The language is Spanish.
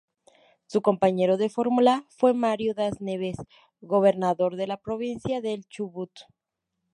Su compañero de fórmula fue Mario Das Neves, gobernador de la Provincia del Chubut.